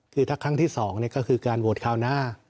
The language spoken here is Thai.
คือถ้าครั้งที่๒ก็คือการโหวตคราวหน้า